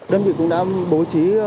đơn vị cũng đã bố trí